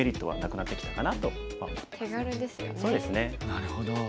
なるほど。